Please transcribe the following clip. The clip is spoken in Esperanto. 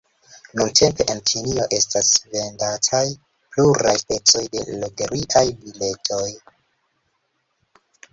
Nuntempe en Ĉinio estas vendataj pluraj specoj de loteriaj biletoj.